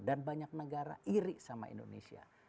dan banyak negara iri sama indonesia